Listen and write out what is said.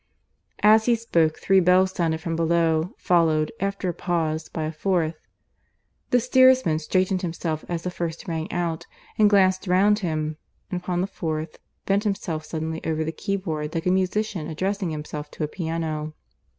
As he spoke three bells sounded from below, followed, after a pause, by a fourth. The steersman straightened himself as the first rang out and glanced round him; and upon the fourth, bent himself suddenly over the key board, like a musician addressing himself to a piano.